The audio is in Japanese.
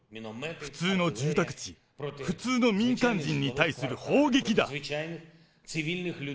普通の住宅地、普通の民間人に対する砲撃だ。